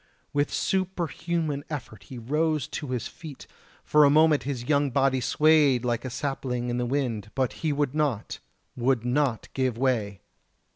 With a superhuman effort he rose to his feet, for a moment his young body swayed like a sapling in the wind; but he would not would not give way!